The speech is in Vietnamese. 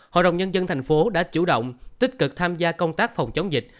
hội đồng nhân dân thành phố đã chủ động tích cực tham gia công tác phòng chống dịch